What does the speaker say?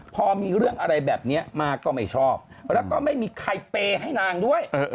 พอมีเรื่องอะไรแบบนี้มาก็ไม่ชอบแล้วก็ไม่มีใครเปย์ให้นางด้วย